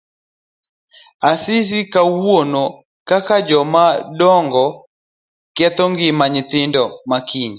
Asisi nowuoro kaka joma dongo ketho ngima nyihindi makiny.